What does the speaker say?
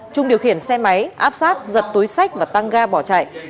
trung điều khiển xe máy áp sát giật túi sách và tăng ga bỏ chạy